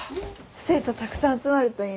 生徒たくさん集まるといいね。